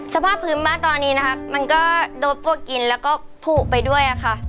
สภาพพื้นบ้านตอนนี้นะครับมันก็โดดพวกกินแล้วก็ผูกไปด้วยค่ะ